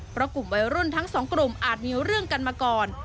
เพราะกลุ่มวัยรุ่นทั้งสองกลุ่มอาจมีเรื่องกันมาก่อน